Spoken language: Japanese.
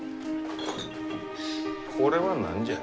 これは何じゃ？